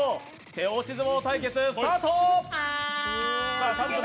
手押し相撲対決スタート！